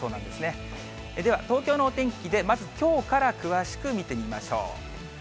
では、東京のお天気でまずきょうから詳しく見てみましょう。